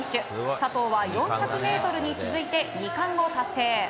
佐藤は、４００ｍに続いて２冠を達成。